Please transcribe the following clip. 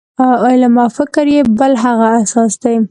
علم او فکر یې بل هغه اساس دی.